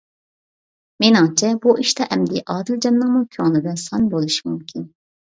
مېنىڭچە بۇ ئىشتا ئەمدى ئادىلجاننىڭمۇ كۆڭلىدە سان بولۇشى مۇمكىن.